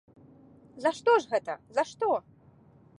За што ж гэта, за што?